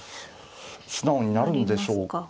素直になるんでしょうか。